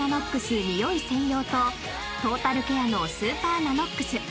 ニオイ専用とトータルケアのスーパーＮＡＮＯＸ